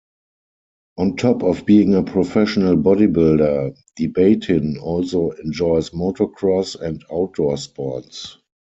On top of being a professional bodybuilder, Debatin also enjoys motocross and outdoor sports.